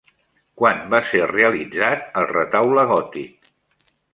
Quan va ser realitzat el retaule gòtic?